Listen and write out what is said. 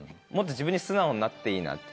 もっと自分に素直になっていいんだ。